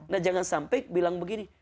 nah jangan sampai bilang begini